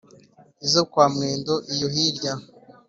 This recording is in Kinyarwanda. Izo kwa Mwendo iyo hirya